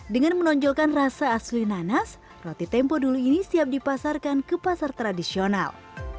dengan menonjolkan rasa asli nanas roti tempo dulu ini siap dipasarkan ke pasar tradisional